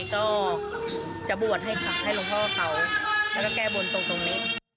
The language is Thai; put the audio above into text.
ก็จะบวชให้หลวงพ่อเขาแล้วก็แก้บนตรงนี้